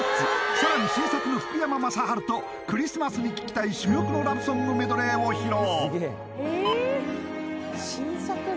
さらに新作の福山雅治とクリスマスに聴きたい珠玉のラブソングメドレーを披露